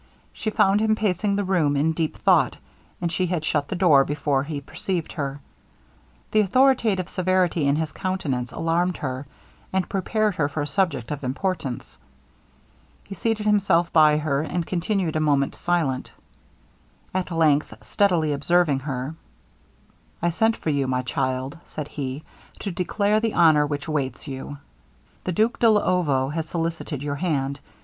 She found him pacing the room in deep thought, and she had shut the door before he perceived her. The authoritative severity in his countenance alarmed her, and prepared her for a subject of importance. He seated himself by her, and continued a moment silent. At length, steadily observing her, 'I sent for you, my child,' said he, 'to declare the honor which awaits you. The Duke de Luovo has solicited your hand.